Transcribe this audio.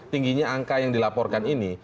tingginya angka yang dilaporkan ini